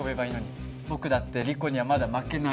僕だってリコにはまだ負けないよ。